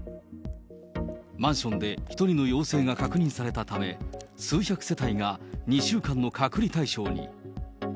マンションで１人の陽性が確認されたため、数百世帯が２週間の隔離対象に。